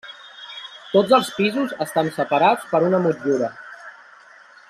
Tots els pisos estan separats per una motllura.